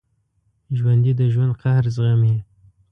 ژوندي د ژوند قهر زغمي